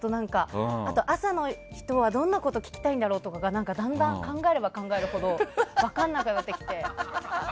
あと朝の人は、どんなことを聞きたいんだろうってだんだん考えれば考えるほど分からなくなってきて。